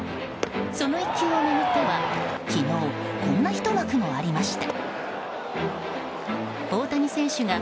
その一球を巡っては、昨日こんなひと幕もありました。